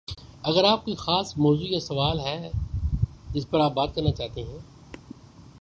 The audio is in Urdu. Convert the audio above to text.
اگر آپ کو کوئی خاص موضوع یا سوال ہے جس پر آپ بات کرنا چاہتے ہیں